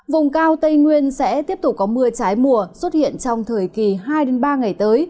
vùng cao tây nguyên sẽ tiếp tục có mưa trái mùa xuất hiện trong thời kỳ hai ba ngày tới